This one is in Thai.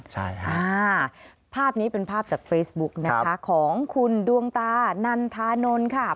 ใช่ค่ะอ่าภาพนี้เป็นภาพจากเฟซบุ๊กนะคะของคุณดวงตานันทานนท์ค่ะ